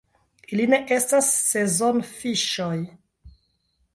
Ili ne estas sezonfiŝoj.